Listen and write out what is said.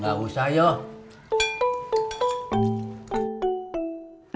gak usah yuk